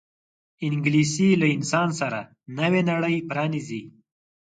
انګلیسي له انسان سره نوې نړۍ پرانیزي